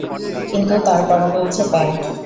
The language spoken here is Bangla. কিন্তু তার পরনে আছে প্যান্ট।